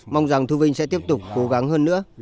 mong rằng thu vinh sẽ tiếp tục cố gắng hơn nữa